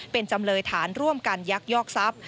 เป็นจำเลยฐานร่วมกันยักยอกทรัพย์